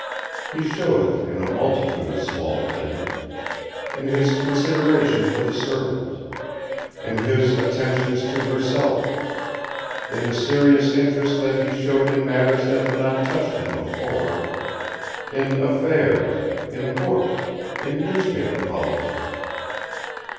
He showed it in a multitude of small things in his consideration for the servants, in his attentions to herself, in the serious interest that he showed in matters that had not touched him before, in affairs, in books, in newspaper politics.